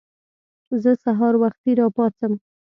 زه سهار وختي راپاڅم.